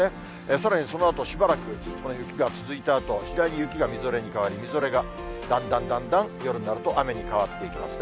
さらにそのあと、しばらく、この雪が続いたあと、次第に雪がみぞれに変わり、みぞれがだんだんだんだん夜になると雨に変わっていきますね。